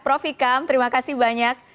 prof ikam terima kasih banyak